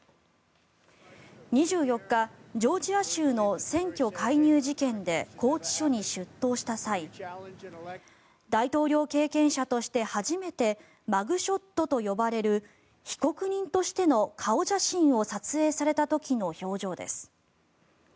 ２４日、ジョージア州の選挙介入事件で拘置所に出頭した際大統領経験者として初めてマグショットと呼ばれる被告人としての顔写真を撮影された時の表情です。